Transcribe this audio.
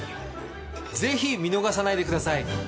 ぜひ見逃さないでください。